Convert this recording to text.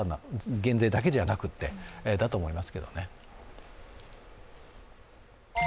減税だけじゃなくて、そうだと思います。